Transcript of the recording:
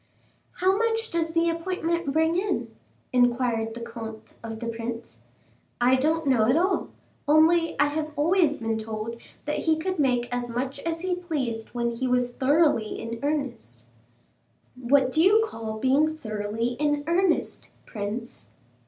"How much does the appointment bring in?" inquired the comte of the prince. "I don't know at all, only I have always been told that he could make as much as he pleased when he was thoroughly in earnest." "What do you call being thoroughly in earnest, prince?"